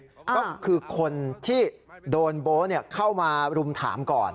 ก็คือคนที่โดนโบ๊เข้ามารุมถามก่อน